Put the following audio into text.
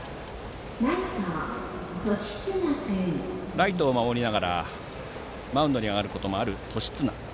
ライトを守りながらマウンドに上がることもある年綱。